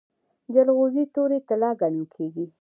جلغوزي تورې طلا ګڼل کیږي.